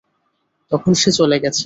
তখন সে চলে গেছে।